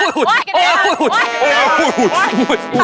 เฮ่ยอุ๊ย